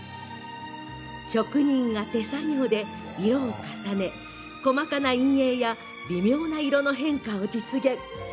職人が手作業で色を重ね細かな陰影や微妙な色の変化を実現。